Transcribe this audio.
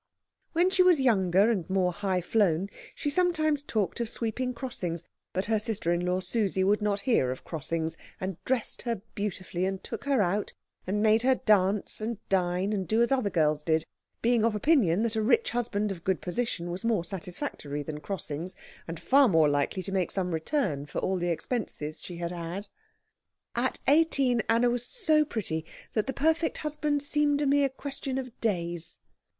When she was younger and more high flown she sometimes talked of sweeping crossings; but her sister in law Susie would not hear of crossings, and dressed her beautifully, and took her out, and made her dance and dine and do as other girls did, being of opinion that a rich husband of good position was more satisfactory than crossings, and far more likely to make some return for all the expenses she had had. At eighteen Anna was so pretty that the perfect husband seemed to be a mere question of days.